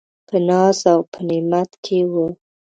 په ناز او په نعمت کي و .